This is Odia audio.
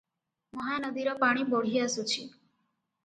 ମହାନଦୀର ପାଣି ବଢ଼ିଆସୁଛି ।